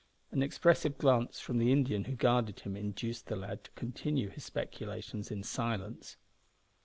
An expressive glance from the Indian who guarded him induced the lad to continue his speculations in silence.